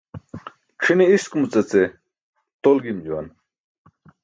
C̣ʰine iskumuca ce tol gim juwan.